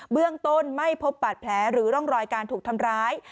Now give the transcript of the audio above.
เบื้องต้นไม่พบบาดแผลหรือร่องรอยการถูกทำร้าย